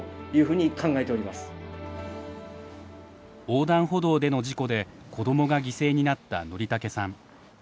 横断歩道での事故で子どもが犠牲になった則竹さん。